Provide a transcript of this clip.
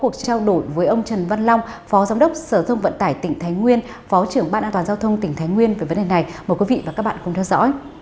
chúng tôi trao đổi với ông trần văn long phó giám đốc sở thông vận tải tỉnh thái nguyên phó trưởng ban an toàn giao thông tỉnh thái nguyên về vấn đề này mời quý vị và các bạn cùng theo dõi